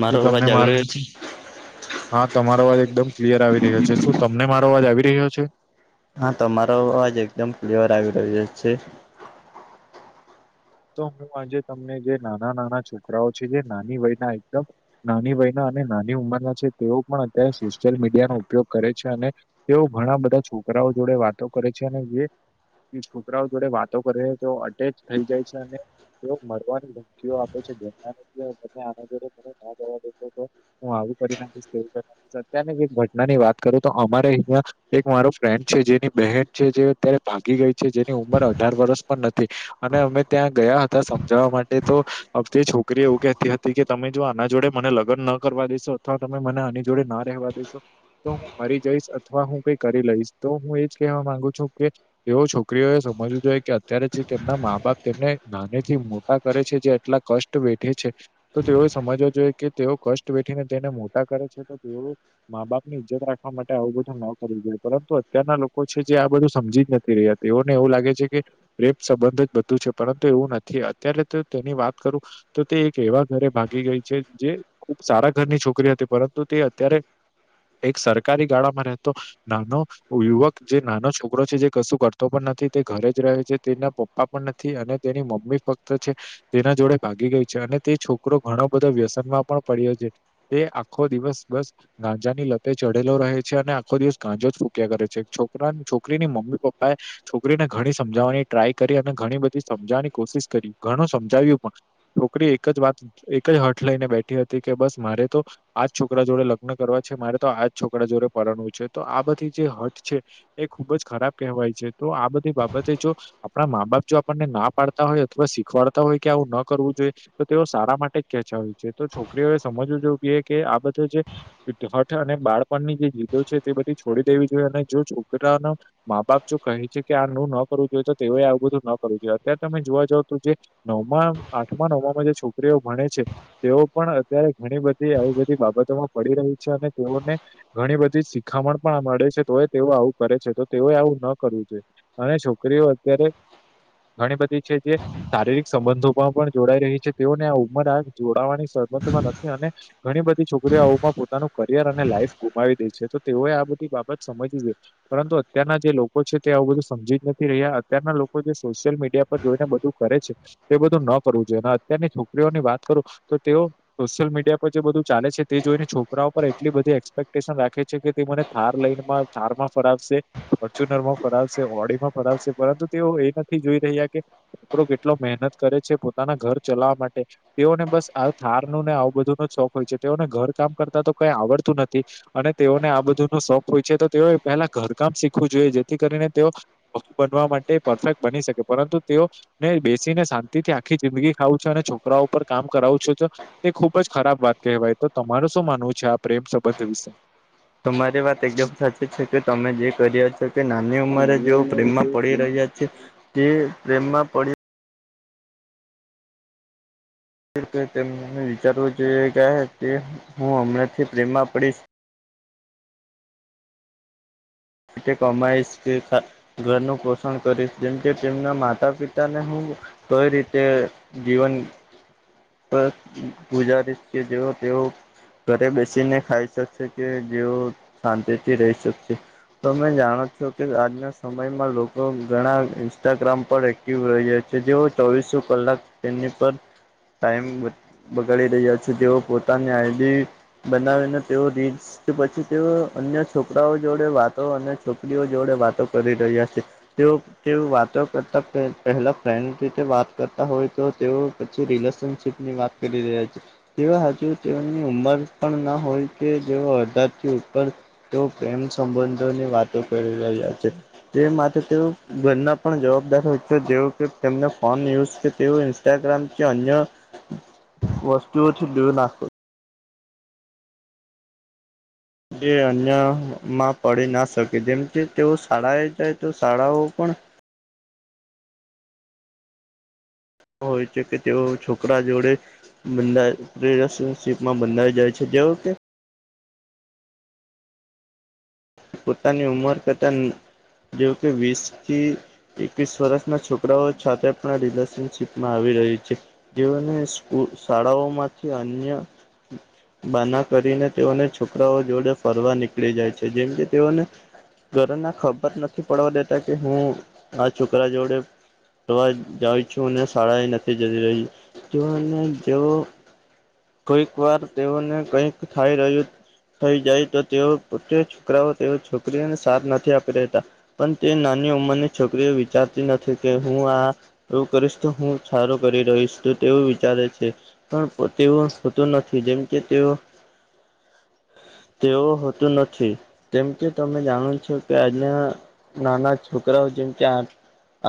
મારો શું તમને અવાજ આવી માર. રહ્યો છે? હા તમારો અવાજ એકદમ ક્લિયર આવી રહ્યો છે શું તમને મારો અવાજ આવી રહ્યો છે? હા તમારો અવાજ એકદમ ક્લિયર આવી રહ્યો છે. તો હું આજે તમને જે નાના નાના છોકરાઓ છે જે નાની વય ના એકદમ. નાની વયના અને નાની ઉંમરના છે તેઓ પણ અત્યારે સોશિયલ મીડિયાનો ઉપયોગ કરે છે અને. તેઓ ઘણા બધા છોકરાઓ જોડે વાતો કરે છે અને જે. છોકરાઓ જોડે વાતો કરે તો અટેચ થઈ જાય છે. મરવાની ધમકીઓ આપે છે આ ના. હું આવું કરી નાખીશ કેવું કરી નાખીશ અત્યારનની ઘટના ની વાત કરું તો અમારે અહીયા એક મારો ફ્રેન્ડ છે જેની બહેન છે જે અત્યારે ભાગી ગઈ છે જેની ઉંમર અઢાર વર્ષ પણ નથી. અને અમે ત્યાં ગયા હતા સમજાવવા માટે તો અ તે છોકરી એવું કહેતી હતી કે તમે જો આના જોડે મને લગ્ન ન કરવા દેશો અથવા તમે મને આની જોડે ના રહેવા દેશો. તો હું મરી જઈશ અથવા હું કઈ કરી લઈશ તો હું એજ કેહેવા માંગુ છું કે. એવો છોકરીઓએ સમજવું જોઈએ કે અત્યારે જે તેમના મા બાપ તેમને નાનેથી મોટા કરે છે જે એટલા કષ્ટ વેઠે છે. તો તેઓએ સમજવો જોઈએ કે તેઓ કષ્ટ વેઠીને તેને મોટા કરે છે તો તેઓ. મા બાપ ની ઈજ્જત રાખવા માટે આવું બધું ન કરવું જોએ પરંતુ અત્યારના લોકો છે જે આ બધું સમજી જ નથી રહ્યા. તેઓને એવું લાગે છે કે રેપ સંબંધ જ બધું છે પરંતુ એવું નથી અત્યારે તો તેની વાત કરું તો તે એક એવા ઘરે ભાગી ગઈ છે જે. ખુબ સારા ઘરની છોકરી હતી પરંતુ તે અત્યારે એક સરકારી ગાળામાં રહેતો. નાનો યુવક જે નાનો છોકરો છે જે કશું કરતો પણ નથી તે ઘરે જ રહે છે તેના પપ્પા. પણ નથી અને તેની મમ્મી ફક્ત છે. તેના જોડે ભાગી ગઈ છે અને તે છોકરો ઘણો બધો વ્યસનમાં પણ પડ્યો છે. તે આખો દિવસ બસ. ગાંજાની લતે ચઢેલો રહે છે અને આખો દિવસ ગાંજો જ ફૂક્યા કરે છે છોકરા છોકરી ની મમ્મી પપ્પા એ છોકરીને ઘણી સમજાવવાની ટ્રાય કરી અને ઘણી બધી સમજાવવાની કોશિશ કરી ઘણું સમજાવ્યું પણ. છોકરી એક જ વાત એક જ હઠ લઈને બેઠી હતી કે બસ મારે તો. આજ છોકરા જોડે લગ્ન કરવા છે મારે તો આજ છોકરા જોડે પરણવું છે તો આ બધી જે હઠ છે. એ ખુબ જ ખરાબ કહેવાય છે તો આ બધી બાબતે જો આપણા મા બાપ. જો આપણને ના પાડતા હોય અથવા શીખવાડતા હોય કે આવું ન કરવું જોઈએ. તો તેઓ સારા માટે જ ખેંચ્યા હોય છે તો છોકરીઓએ સમજવું જો બીએ કે આ બધું જે. હઠ અને બાળપણની જે જીદો છે તે બધી છોડી દેવી જોઈએ અને જો છોકરાનો. મા બાપ જો કહે છે કે આ નું ન કરવું જોઈ તો તેઓએ આવું બધું ન કરવુ જોઈએ અત્યારે તમે જોવા જાવ તો જે નવમાં આઠમા નવમાંમાં જે છોકરીઓ ભણે છે. તેઓ પણ અત્યારે ઘણી બધી આવી બધી બાબતોમાં પડી રહી છે અને તેઓને. ઘણી બધી શિખામણ પણ મળે છે તોય તેઓ આવું કરે છે તો તેઓએ આવું ન કરવું જોઈએ. અને છોકરીઓ અત્યારે ઘણી બધી છે જે શારીરિક સંબંધો પણ પણ જોડાઈ રહી છે તેઓને આ ઉંમર આ જોડાવાની સંબંધમાં નથી અને ઘણી બધી છોકરીઓ આવમાં પોતાનું કરિયર અને લાઈફ ગુમાવી દે છે તો તેઓએ આ બધી બાબત સમજવી જોઈએ. પરંતુ અત્યારના જે લોકો છે તે આવું બધું સમજી જ નથી રહ્યા અત્યારના લોકો જે સોશિયલ મીડિયા પર જોઈને બધું કરે છે. તે બધું ન કરવું જોઈએ અને અત્યારની છોકરીઓની વાત કરું તો તેઓ સોશિયલ મીડિયા પર જે બધુ ચાલે છે તે જોઈને છોકરાઓ પર એટલી બધી એ એક્સપેક્ટેશન રાખે છે કે, તે મને થાર લઈ થારમાં ફરાવશે. ફર્ચુનર માં ફરાવશે ઓડીમાં ફરાવશે પરંતુ તેઓ એ નથી જોઈ રહ્યા કે છોકરો કેટલો મહેનત કરે છે પોતાના ઘર ચલાવા માટે તેઓને બસ આ થાર નું ને આવું બધું ન શોખ હોય છે તેઓને ઘર કામ કરતા તો કઈ આવડતું નથી. અને તેઓને આ બધુંનો શોખ હોય છે તો તેઓ પહેલા ઘરકામ શીખવું જોઈએ જેથી કરીને તેઓ પત્ની બનવા માટે પરફેક્ટ બની શકે પરંતુ તેઓ મેં બેસીને શાંતિથી આખી જિંદગી ખાવું છું અને છોકરાઓ ઉપર કામ કરાવું છું તો તે ખુબ જ ખરાબ વાત કહેવાય તો તમારું શું માનવું છે આ પ્રેમ સંબંધ વિશે? તમારી વાત એકદમ સાચી છે કે તમે જે કરી્યા છો કે નાની ઉંમરે જેવ ઉંમરે પ્રેમમાં જે પડી પ્રેમ રહ્યા તે પ્રેમમાં પડી તેમને વિચારવું જોઈએ કે હું હમણાંથી પ્રેમમાં પડીશ. એટ કમાાયશ કે ઘરનું પોષણ કરીશ જેમ કે તેમના માતા પિતાને હું કઈ રીતે જીવન? ગુજારી જે તેઓ ઘરે બેસીને ખાઈ શકશે કે જેવ શાંતિથી રહી શકશે. તમે જાણો છો કે આજના સમયમાં લોકો ઘણા ઇન્સ્ટાગ્રામ પર એક જે ચોવીસો કલાક તેની પર ટાઈમ બગાડી રહ્યા છે તેઓ પોતાની આઈડી બનાવીને તેઓ રીલ્સ કે પછી તે અન્ય છોકરાઓ જોડે વાત અને છોકરીઓ જોડે વાતો કરી રહ્યા છે તેઓ તેઓ વાતો કરતાં પહેલાં ફ્રેન્ડ રીતે વાત કરતા હોય તો તેઓ પછી રિલેશનશીપની વાત કરી રહ્યાજ તે હજુ તેઓની ઉંમર પણ ના હોય કે જેઓ અધારથી ઉપર તેઓ પ્રેમ સંબંધોની વાતો કરી રહ્યા છે તે માટે તેઓ પણ જવાબદાર હોય છે જે કેને ફોન યુ કે તે ઇન્સ્ટાગ્રામ કે અન્ય [inaudible] વસ્તુઓ છે લવું નાખતો જે અન્યમાં પડી ના શકે જેમ કે તેઓ શાળાએ જાય તો શાળાઓ પણ હોય છે કે તેઓ છોકરા જોડે બંધા રિલેશનશીપમાં બંધાવી જાય છે જેવું કે પોતાની ઉંમર કરતા જે કે વીસથી એકવીસ વર્ષના છોકરાઓ સાથે પણ રિલેશનશીપમાં આવી રહી છે. જેઓને શાળાઓમાંથી અન્ય બહાના કરીને તેઓને છોકરાઓ જોડે ફરવા નીકળી જાય છે જેમ કે તેઓને ઘરેને ખબર નથી પડવા દેતા કે હું આ છોકરા જોડે કરવા જઉ છું શાળા નથી જતી રહી તો જેવ કઈક વાર તેઓને કઈક થઈ રહ્યું. થઈ જાય તો તેઓ પો છોકરાઓ તેઓ છોકરીઓને સાથ નથી આપી રહેતા. પણ તે નાની ઉંમરની છોકરીઓ વિચારતી નથી કે હું આ એવું કરીશ તો હું સારું કરી રહીશ તેવું વિચારે છે પણ તેવું થતું નથી જેમ કે તેઓ તેવું હોતું નથી કેમ કે તમે જાણો છો કે આજના નાના છોકરાઓ જેમ ક્યાં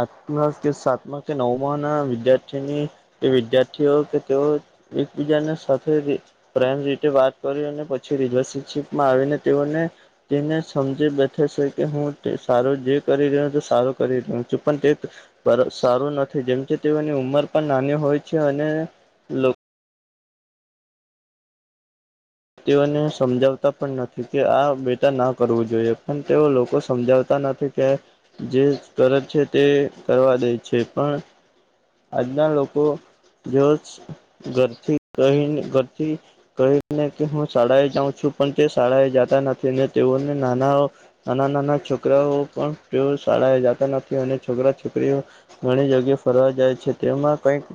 આઠમાં કે સાતમા કે નવમાંના વિદ્યાર્થીની તે વિદ્યાર્થીઓ કે તેઓ એકબીજાને સાથે પ્રેમ રીતે વાત કરી અને પછી રીલેશનશીપમાં આવીને તેઓને તેને સમજી બેઠે છે કે હું તે સારો જે કરી રહ્યો છે સારો કરી રહ્યો છું પણ તે સારું નથી જેમ છે તેઓની ઉંમર પણ નાની હોય છે અને તેઓને સમજાવતા પણ નથી કે આ બેટા ના કરવું જોઈએ પણ તેઓ લોકો સમજાવતા નથી. જે કરજ છે તે કરવા દે છે પણ આજના લોકો જો ઘરથી કહીને ઘરથી કહને કે હું શાળાએ જાઉં છું પણ તે શાળા એ જતા નથી તેઓને નાના નાના નાના છોકરાઓ પણ તેઓ શાળાએ જતા નથી અને છોકરા છોકરીઓ ઘણી જગ્યા ફરવા જાય છે તેમાં કંઈક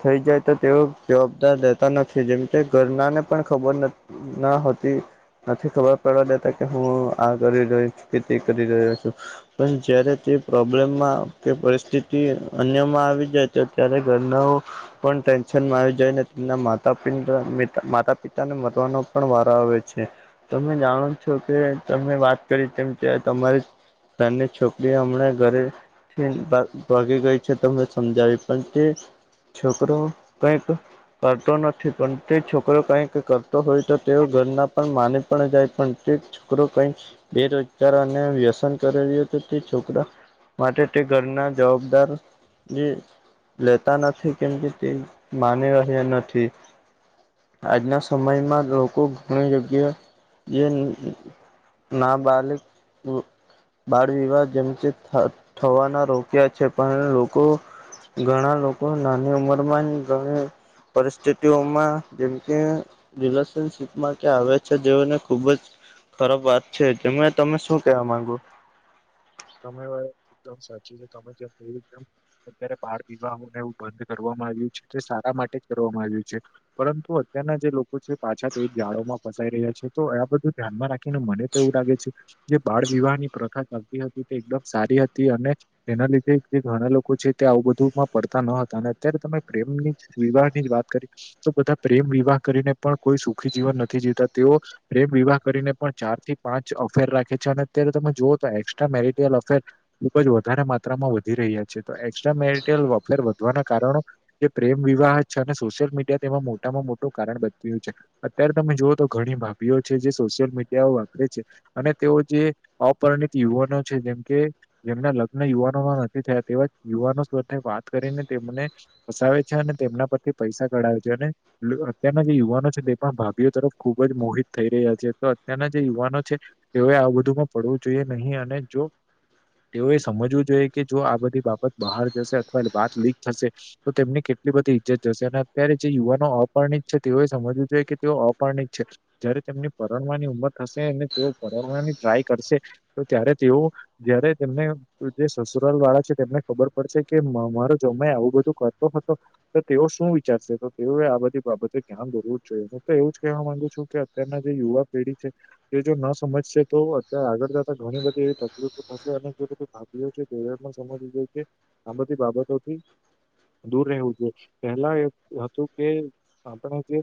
થઈ જાય તો તેઓ જવાબદાર રહેેતા નથી જેમ કે ઘરના ને પણ ખબર નથી ના હોતી નથી ખબર પડવા દેતા કે હું આ કરી રહ્યો છું કે તે કરી રહ્યો છું પણ જયારે તે પ્રોબ્લેમમાં કે પરિસ્થિતિ અન્યમાં આવે આવી જાય અ્યારે ઘરના પણ ટેન્શનમાં આવી જાયને તેમના માતા પિતાને મરવાનો પણ વારો આવે્યો છે તમે જાણો છો કે તમે વાત કરી તેમ તમારે તની છોકરી હમણાં ઘરે ભગી ગઈ છે ત સમજાવી પણ તે છોકરો કંઈક કરતો નથી પણ તે છોકરો કઈક કરતો હોય તો તેઓ ઘરના પણ માની પણ જાય પણ તે છોકરો કઈ બેરોજગાર અને વ્યસન કર્યો હતો તે છોકરા માટે તે ઘરના જવાબદાર જે લેતા નથી કેમ કે તે માની રહ્યા નથી આજના સમયમાં લોકો ઘણી યોગ્ય જે નાબલિક બાળ વિવાહ જેમ થવાના રોક્યા છે પણ લોકો ઘણા લોકો નાની ઉંમર માં ઘણી પરિસ્થિતિઓમાં જેમ કે રિલેશનશીપમાં કે આવે છે જેઓને ખુબ જ ખરાબ વાત છે જે તમે શું કેવા માંગુ તમે વા એકદમ સાચી છે તમે જેમવીમ અત્યારે બાાર પીવાહને એવું બંધ કરવામાં આવ્યું છે તે સારા માટે જ કરવામાં આવ્યું છે પરંતુ અત્યારના જે લોકો છે પાછા તે એ ગાળોમાં ફસાઈ રહ્યા છે તો આ બધું ધ્યાનમાં રાખીને મને એવું લાગે છે જે બાળ વિવાહ ની પ્રથા ચાલતી હતી તે એકદમ સારી હતી અને તેના લીધે જે ઘણા લોકો છે તે આવું બધુંમાં પડતા ન હતા અને અત્યારે તમે પ્રેમની વિવાહ ની જ વાત કરી તો બધા પ્રેમ વિવાહ કરીને પણ કોઈ સુખી જીવન નથી જીતા તેઓ પ્રેમ વિવાહ કરીને પણ ચાર થી પાંચ અફેર રાખે છે અને અત્યારે તમે જોુઓ તો મેલફે [inaudible] [unintelligible] ખુબ જ વધારે માત્રામાં વધી રહ્યા છે તો એક્સ્ટ્રા મેરટયલફેર વધવાના કારણો જે પ્રેમ વિવાહ છે અને સોશિયલ મીડિયા તેમાં મોટામાં મોટું કારણ બનવ્યું છે અત્યારે તમે જુવઓ તો ઘણી ભાભીઓ છે જે સોશિયલ મીડિયાઓ વાપરે છે અને તેઓ જે અપરણિત યુવાનો છે જેમ કે જેમના લગ્ન યુવાનોમાં નથી થયા તેવા યુવાનો સાથે વાત કરીને તેમને ફસાવે છે અને તેમના પરથી પૈસા કઢાવે છે અને અત્યારના જે યુવાનો છે તે પણ ભાભીઓ તરફ ખુબ જ મોહિત થઈ રહ્યા છે તો અત્યારના જે યુવાનો છે તેઓએ આવું બધુંમાં પડવું જોઈએ નહીં અને જો તેઓએ સમજવું જોઈએ કે જો આ બધી બાબત બહાર જશે અથવા વાત લીક થશે તો તેમની કેટલી બધી ઈજ્જત જશે અને અત્યારે જે યુવાનો અપર્ણિત છે તેઓએ સમજવું જોઈએ કે તેઓ અપર્ણિત છે જયારે તેમની પરણવાની ઉંમર થશે અને તેઓ પરણવાની ટ્રાય કરશે તો ત્યારે તેઓ જયારે તેમને જે સસુરાલ વાળા છે તેમને ખબર પડશે કે મારો જમાઈ આવું બધું કરતો હતો તો તેઓ શું વિચારશે તો તેઓએ આ બધી બાબતે ધ્યાન દોરવું જ જોઈએ હું તો એવું જ કહેવા માંગુ છું કે અત્યારના જે યુવા પેઢી છે તે જો ન સમજશે તો અત્યારે આગળ ઘણી બધી એવી તકલીફો થશે અને જે રીતે કામ કર્યું છે સમજી છે આ બધી બાબતોથી દૂર રહેવું જોઈએ પહેલા એ હતું કે આપણે જે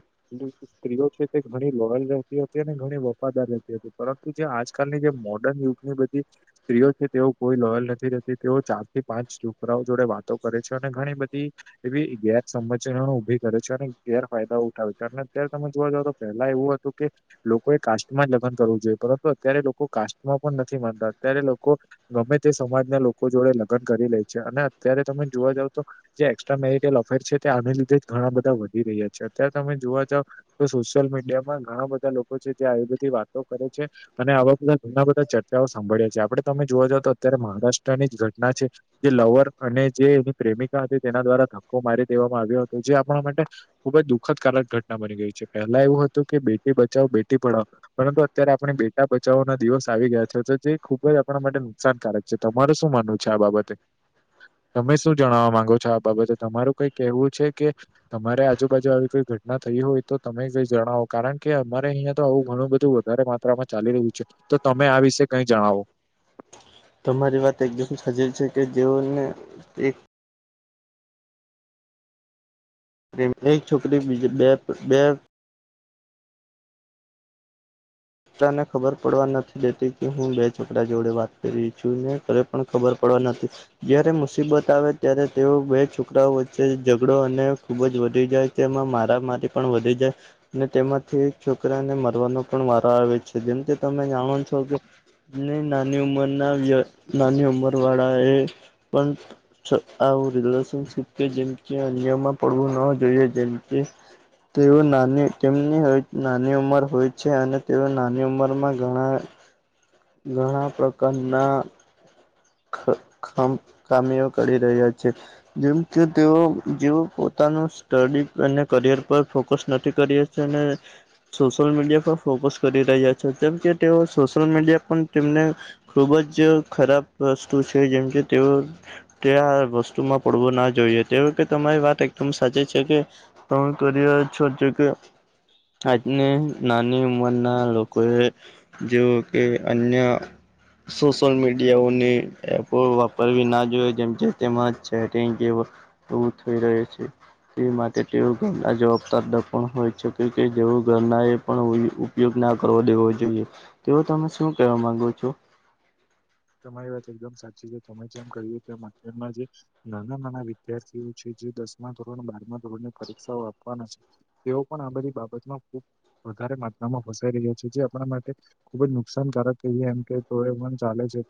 તે સ્ત્રીઓ છે તે ઘણી લોયલ રતી હતી અને ઘણી વફાદાર રહેતી હતી પરંતુ જે આજકાલની જે મો યુગ ની બધી સ્ત્રીઓ છે તેઓ કોઈ લોયલ નથી રહેતી તેઓ ચાર થી પાંચ છોકરાઓ જોડે વાતો કરે છે અને ઘણી બધી એવી ગેરસમજણ ઊભી કરે છે અને ગેરફાયદો ઉઠાવે છે અને અત્યારે તમે જોવા જાવ તો પહેલા એવું હતું કે લોકોએ કાસ્ટમાં જ લગ્ન કરવું જોઈએ પરંતુ અત્યારે લોકો કાસ્ટ માં પણ નથી માનતા અત્યારે લોકો ગમે તે સમાજના લોકો જોડે લગ્ન કરી લે છે અને અત્યારે તમે જોવા જાવ તો જે એક્સ્ટ્રા મેરિટલ ઓફરેટ છે તે આને લીધે જ ઘણા બધા વધી રહ્યા છે અત્યારે તમે જોવા જાવ તો સોશિયલ મીડિયામાં ઘણા બધા લોકો છે જે આવી બધી વાતો કરે છે અને આવકના ઘમણા બધા ચર્ચાઓ સાંભળ્યા છે આપડે તમે જોવા જાવ તો અત્યારે મહારાષ્ટ્રની જ ઘટના છે જે લવર અને જે એની પ્રેમિકા હતી તેના દ્વારા ધક્કો મારી દેવામાં આવ્યો હતો જે આપણા માટે ખુબ જ દુઃખદકારક ઘટના બની ગઈ છે પહેલા એવું હતું કે બેટી બચાવો બેટી ભણાવો પરંતુ અત્યારે આપણે બેટા બચાવવા નથી દિવસ આવી ગયા છે તો જે ખુબ જ આપણા માટે નુકસાનકારક છે તમાર શું માનવું છે આ બાબતે તમે શું જણવા માંગો છો આ બાબતે તમારું કઈ કેહેવું છે કે? તમારે આજુબાજુ આવી કોઈ ઘટના થઈ હોય તો તમે કઈ જણાવો કારણ કે અમારે અહીંયા તો આવું ઘણું બધું વધારે માત્રામાં ચાલી રહ્યું છે તો તમે આ વિષે કઈ જણાવો તમારી વાત એક દમ સાચી છે કે જેઓને એક એક છોકરી બીજી બે બે છ ને ખબર પડવા નથી દેતી કે હું બે છોકરા જોડે વાત કરી છું ને પણ ખબર પડવા નથી જયારે મુસીબત આવે ત્યારે તેઓ બે છોકરાઓ વચ્ચે ઝઘડો અને ખુબ જ વધી જાય તેમાં મારા મારી પણ વધી જાય ને તેમાંથી છોકરાને મરવાનો પણ વાત આવે છે જેમ કે તમે જાણો છો કે ની નાની ઉંમર ના વ્ય નાની ઉમર વાળા એ પણ આવું રિલેશનશીપ કે જેમકે અન્યમાં પડવું ન જોઈએ જેમકે તેઓ નાની તેમની હોય નાની ઉંમર હોય છે અને તેઓ નાની ઉંમરમાં ઘણા ઘણા પ્રકારના ખ કામીઓ કરી રહ્યા છે. જેમ કે તેઓ જે પોતાનું સ્ટડી અને કરિયર પર ફોકસ નથી કરી સેને સોશિયલ મીડિયા પર ફોકસ કરી રહ્યા છે જેમ કે તેઓ સોશિયલ મીડિયા પણ તેમને ખુબ જ ખરાબ વસ્તુ છે જેમકે તેઓ તે આ વસ્તુમાં પડવું ના જોઈએ તે વક્તે તમારી વાત એકદમ સાચી છે કે તમે કરી રહ્યા છો કે આજને નાની ઉંમરના લોકો એ જે કે અન્ય સોશિલ મીડિયાઓ ને એપો વાપરવી ના જોઈએ જેમ તેજ ચેટંગ કે આવું થઈ રહી છે તે માટે તેઓ ઘરના જવાબદાર દફણ હોય છે કે કે જેવુ ઘરના એ પણ ઉપયોગ ના કરવો દેવો જોઈએ તેઓ તમે શું કહેવા માંગો છો તમારી વાત એકદમ સાચી છે તમે જેમ ક્યું કે એમાં જે નાના નાના વિદ્યાર્થીઓ છે જે દસમા ધોરણ બારમા ધોરણ ની પરીક્ષાઓ આપવાના છે. તેઓ પણ આ બધી બાબતમાં ખુબ વધારે માત્રામાં ફસાઈ રહ્યો છે જે આપણા માટે ખુબ જ નુકસાનકારક કહીએ એમ કે તો એ પણ ચાલે છે તો